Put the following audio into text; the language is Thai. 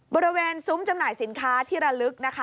บริเวณซุมจำหน่ายสินค้าธิรละลึก